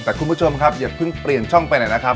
แต่คุณผู้ชมครับอย่าเพิ่งเปลี่ยนช่องไปไหนนะครับ